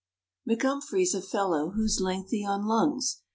McUmphrey's a fellow who's lengthy on lungs.